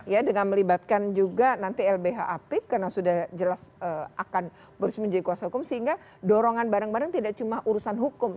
ya dengan melibatkan juga nanti lbh apik karena sudah jelas akan berusaha menjadi kuasa hukum sehingga dorongan bareng bareng tidak cuma urusan hukum